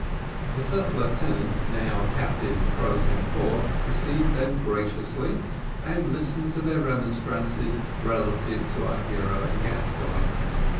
The first lieutenant, now captain pro tempore, received them graciously, and listened to their remonstrances relative to our hero and Gascoigne.